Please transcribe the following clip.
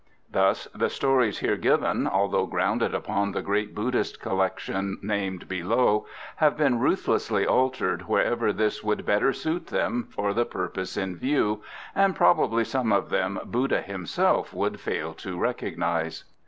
Thus the stories here given, although grounded upon the great Buddhist collection named below, have been ruthlessly altered wherever this would better suit them for the purpose in view; and probably some of them Buddha himself would fail to recognise.